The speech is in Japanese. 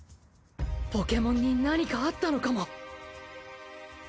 ポケモンに何かあったのかも。